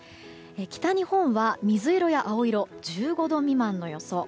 北日本は水色や青色１５度未満の予想。